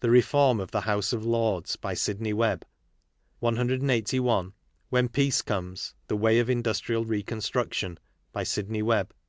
The Reform of the House of Lords. By Sidney Webb. 181. When Peace Comes — the Way ol Indnstrial Reconstruction. By Sidney Webb.